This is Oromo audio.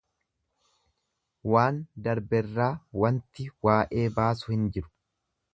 Waan darberraa wanti waa'ee baasu hin jiru.